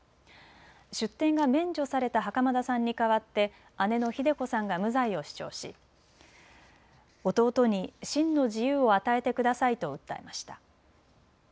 出廷が免除された袴田さんに代わって姉のひで子さんが無罪を主張し弟に真の自由を与えてくださいと訴えました。